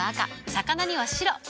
魚には白。